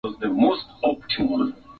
Walio na roho mbaya.